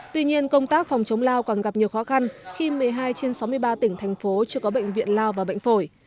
tuy nhiên công tác phòng chống lao còn gặp nhiều khó khăn khi một mươi hai trên sáu mươi ba tỉnh thành phố chưa có bệnh viện lao và bệnh phổi